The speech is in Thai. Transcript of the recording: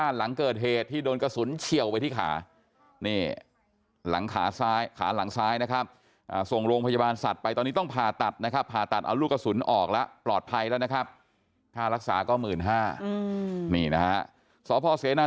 มันก็เสียใจอ่ะเนาะเพราะเราก็ไม่รู้เรื่องราวเสร็จแล้ว